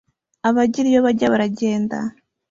abagira iyo bajya baragenda